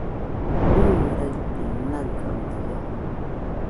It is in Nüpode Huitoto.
Jɨ, raite nagamaiaɨ